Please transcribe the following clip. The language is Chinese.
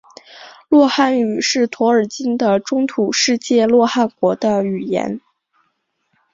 洛汗语是托尔金的中土世界洛汗国的语言。